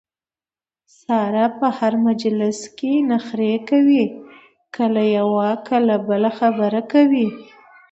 ساره په هر مجلس کې نخرې کوي کله یوه کله بله خبره کوي.